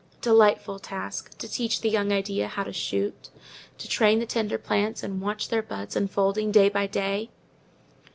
—Delightful task! To teach the young idea how to shoot! To train the tender plants, and watch their buds unfolding day by day!